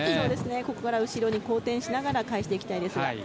ここから後ろに後転しながら返していきたいです。